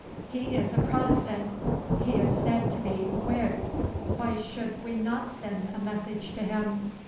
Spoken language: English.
He is a Protestant. He is said to be a Whig. Why should we not send a message to him?